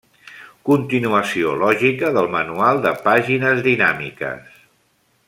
Continuació lògica del manual de pàgines dinàmiques.